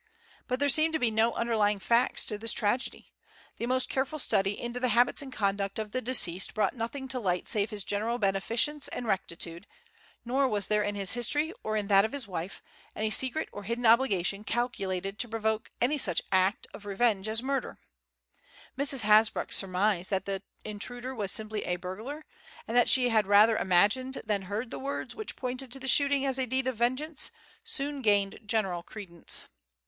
But there seemed to be no underlying facts to this tragedy. The most careful study into the habits and conduct of the deceased brought nothing to light save his general beneficence and rectitude, nor was there in his history or in that of his wife, any secret or hidden obligation calculated to provoke any such act of revenge as murder. Mrs. Hasbrouck's surmise that the intruder was simply a burglar, and that she had rather imagined than heard the words which pointed to the shooting as a deed of vengeance, soon gained general credence.